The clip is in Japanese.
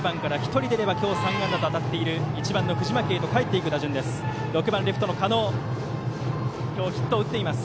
１人出れば今日３安打と当たっている１番の藤巻へと帰っていく打順です。